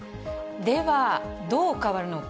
では、どう変わるのか。